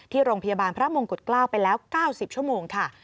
ที่โรงพยาบาลพระมงกุฎเกล้าไปแล้ว๙๐ชั่วโมงค่ะ